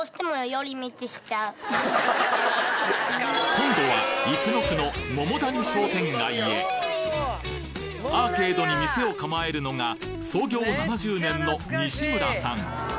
今度は生野区の桃谷商店街へアーケードに店を構えるのが創業７０年の西村さん